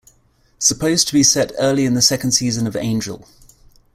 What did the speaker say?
Supposed to be set early in the second season of "Angel".